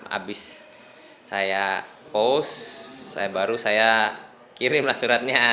habis saya post baru saya kirimlah suratnya